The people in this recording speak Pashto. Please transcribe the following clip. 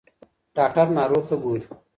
ډاکټر ناروغ ته ګوري.